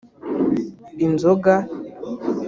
Inzoga